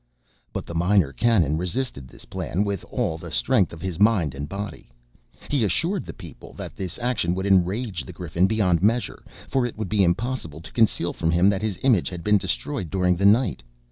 But the Minor Canon resisted this plan with all the strength of his mind and body. He assured the people that this action would enrage the Griffin beyond measure, for it would be impossible to conceal from him that his image had been destroyed during the night.